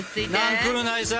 なんくるないさ。